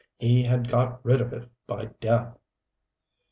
He had got rid of it by death.